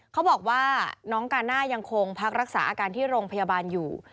เขาบอกว่าน้องกาน่ายังคงพักรักษาอาการที่โรงพยาบาลอยู่